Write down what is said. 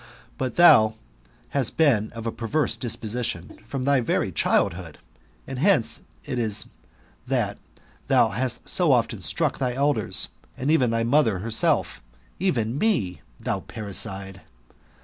But thou hast been of a perverse dis position from thy very childhood, and hence it is that thou hast so often struck thy elders, and even thy mother herself, even me, thou parricide.